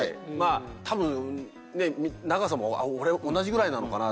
多分長さも同じぐらいなのかなって。